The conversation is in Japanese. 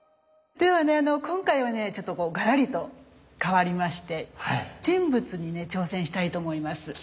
ではね今回はねちょっとガラリと変わりまして人物に挑戦したいと思います。